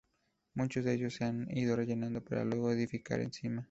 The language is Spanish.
Muchos de ellos se han ido rellenando, para luego edificar encima.